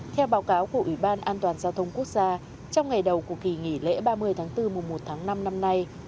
theo báo cáo của ủy ban an toàn giao thông quốc gia trong ngày đầu của kỳ nghỉ lễ ba mươi tháng bốn mùa một tháng năm năm nay